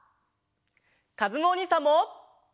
かずむおにいさんも！